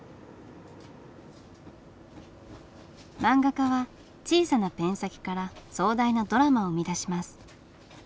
漫画家は小さなペン先から壮大なドラマを生み出します。